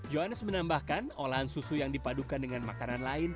johannes menambahkan olahan susu yang dipadukan dengan makanan lain